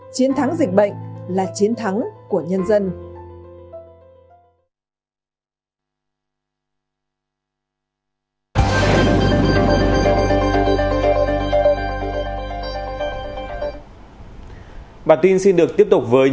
chiến thắng dịch bệnh là chiến thắng của nhân dân